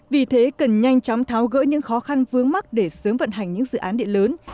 vì thế cần nhanh chóng tháo gỡ những khó khăn vướng mắt để sớm vận hành những dự án địa lớn